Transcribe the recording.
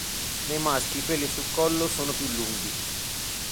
Nei maschi i peli sul collo sono più lunghi.